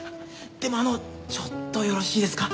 でもあのちょっとよろしいですか？